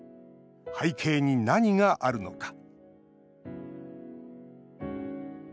背景に何があるのか。